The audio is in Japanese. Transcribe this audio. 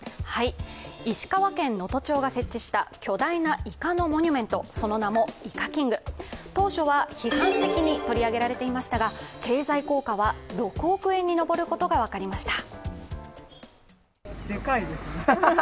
石川県能登町が設置した巨大なイカのモニュメント、その名も、イカキング当初は批判的に取り上げられていましたが、経済効果は６億円に上ることが分かりました。